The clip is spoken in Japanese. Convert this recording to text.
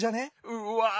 うわ。